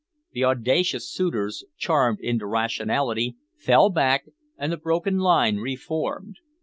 The audacious suitors, charmed into rationality, fell back, and the broken line re formed.